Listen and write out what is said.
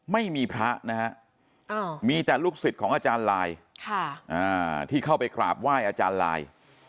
ไม่มีพระนะฮะมีแต่ลูกศิษย์ของอาจารย์ลายที่เข้าไปกราบไหว้อาจารย์ลาย